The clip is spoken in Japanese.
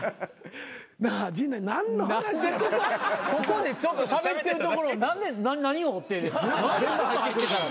ここでちょっとしゃべってるところを何で「何を？」って何でスッと。